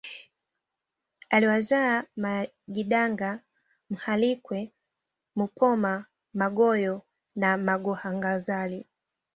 aliwazaa magidanga Mhalwike Mupoma Magoyo na Magohaganzali